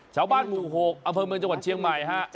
ชาวบ้านหมู่๖อำเภอเมืองจังหวัดเชียงใหม่ฮะ